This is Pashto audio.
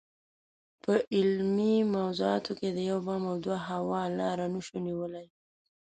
په علمي موضوعاتو کې د یو بام او دوه هوا لاره نشو نیولای.